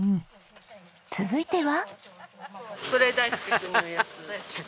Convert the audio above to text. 続いては。